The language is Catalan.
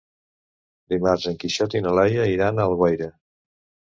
Dimarts en Quixot i na Laia iran a Alguaire.